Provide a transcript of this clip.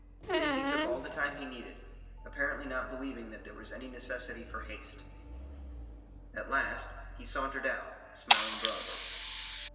Stacy took all the time he needed, apparently not believing that there was any necessity for haste. At last he sauntered out smiling broadly.